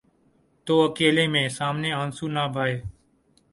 تو اکیلے میں، سامنے آنسو نہ بہائے۔